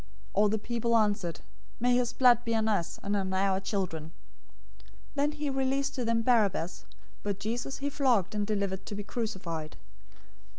027:025 All the people answered, "May his blood be on us, and on our children!" 027:026 Then he released to them Barabbas, but Jesus he flogged and delivered to be crucified.